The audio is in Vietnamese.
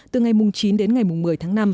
từ ngày chín đến một mươi tháng năm